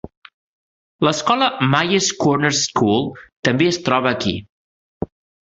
L'escola Myers Corners School també es troba aquí.